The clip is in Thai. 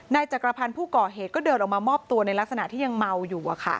จักรพันธ์ผู้ก่อเหตุก็เดินออกมามอบตัวในลักษณะที่ยังเมาอยู่